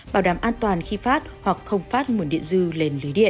bảo đảm an toàn khi phát hoặc không phát nguồn điện dư lên lưới điện